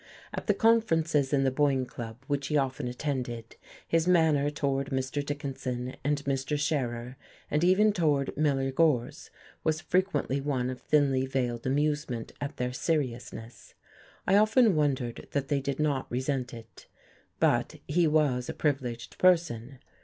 At the conferences in the Boyne Club, which he often attended, his manner toward Mr. Dickinson and Mr. Scherer and even toward Miller Gorse was frequently one of thinly veiled amusement at their seriousness. I often wondered that they did not resent it. But he was a privileged person.